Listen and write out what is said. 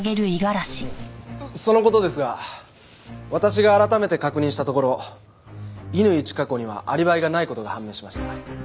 その事ですが私が改めて確認したところ乾チカ子にはアリバイがない事が判明しました。